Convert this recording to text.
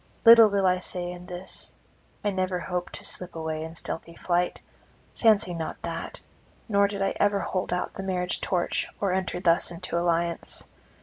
Little will I say in this. I never hoped to slip away in stealthy flight; fancy not that; nor did I ever hold out the marriage torch or enter thus into alliance.